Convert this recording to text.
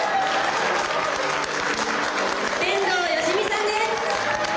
・天童よしみさんです！